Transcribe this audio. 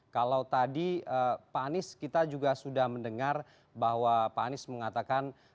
kalau tadi pak anies kita juga sudah mendengar bahwa pak anies mengatakan